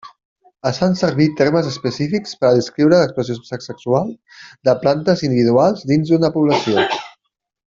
Es fan servir termes específics per descriure l'expressió sexual de plantes individuals dins una població.